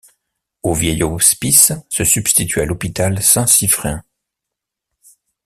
Au vieil hospice se substitua l'hôpital Saint-Siffrein.